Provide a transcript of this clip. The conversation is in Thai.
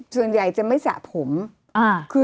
ส่วนใหญ่จะไม่สระผมคือ